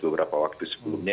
beberapa waktu sebelumnya